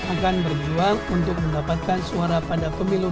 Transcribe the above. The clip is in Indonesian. akan berjuang untuk mendapatkan suara pada pemilu